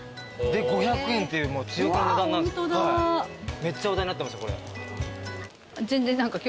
めっちゃ話題になってましたこれ。